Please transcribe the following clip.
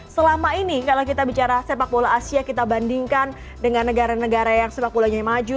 selama ini kalau kita bicara sepak bola asia kita bandingkan dengan negara negara yang sepak bolanya maju